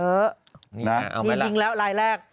เอ้าแม่นี้ยิงแล้วรายแรก